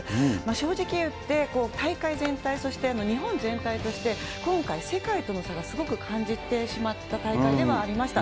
正直言って、大会全体、そして日本全体として、今回、世界との差がすごく感じてしまった大会ではありました。